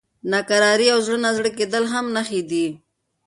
ناکراري او زړه نازړه کېدل هم نښې دي.